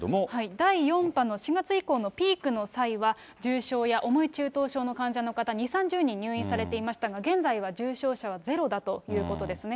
第４波の４月以降のピークの際は、重症や重い中等症の患者の方、２、３０人入院されていましたが、現在は重症者はゼロだということですね。